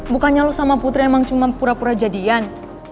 bukannya lu sama putri emang cuma pura pura jadian